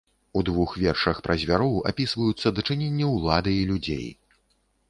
У двух вершах пра звяроў апісваюцца дачыненні ўлады і людзей.